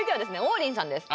王林さんです